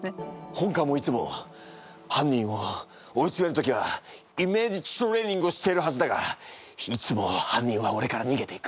本官もいつも犯人を追い詰める時はイメージトレーニングをしているはずだがいつも犯人は俺から逃げていく。